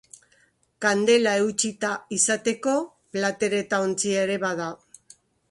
Kandela eutsita izateko plater eta ontzia ere bada.